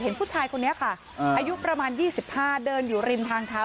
ผู้ชายคนนี้ค่ะอายุประมาณ๒๕เดินอยู่ริมทางเท้า